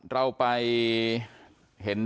เราไปเห็น